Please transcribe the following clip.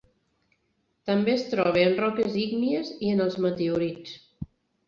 També es troba en roques ígnies i en els meteorits.